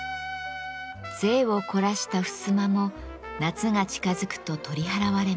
贅を凝らしたふすまも夏が近づくと取り払われます。